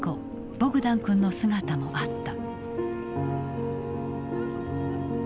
ボグダン君の姿もあった。